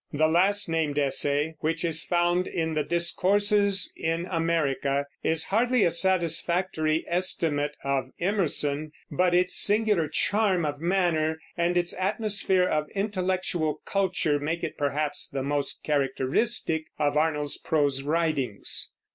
The last named essay, which is found in the Discourses in America, is hardly a satisfactory estimate of Emerson, but its singular charm of manner and its atmosphere of intellectual culture make it perhaps the most characteristic of Arnold's prose writings.